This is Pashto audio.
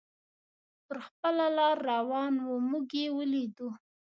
پر خپله لار روان و، موږ یې ولیدو.